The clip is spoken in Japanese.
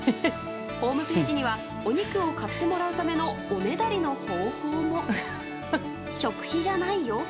ホームページにはお肉を買ってもらうためのおねだりの方法も。